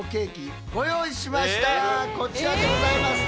こちらでございます。